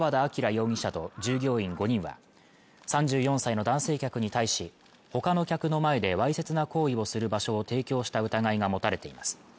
容疑者と従業員５人は３４歳の男性客に対しほかの客の前でわいせつな行為をする場所を提供した疑いが持たれています